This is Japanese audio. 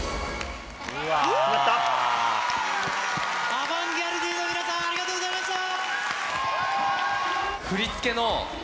アバンギャルディの皆さんありがとうございました！